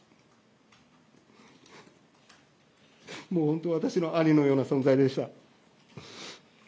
本当に私の兄のような存在でした。